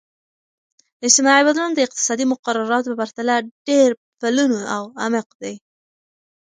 اجتماعي بدلون د اقتصادي مقرراتو په پرتله ډیر پلنو او عمیق دی.